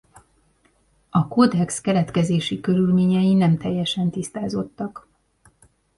A kódex keletkezési körülményei nem teljesen tisztázottak.